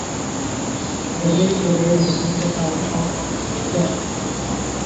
The village is located within the Town of Hixton.